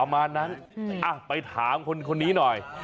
ประมาณนั้นไปถามคนนี้หน่อย